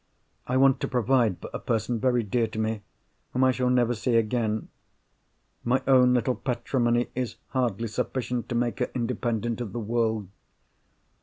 I want to provide for a person—very dear to me—whom I shall never see again. My own little patrimony is hardly sufficient to make her independent of the world.